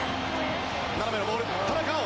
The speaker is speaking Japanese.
斜めのボール、田中碧。